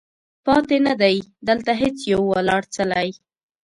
پاتې نه دی، دلته هیڅ یو ولاړ څلی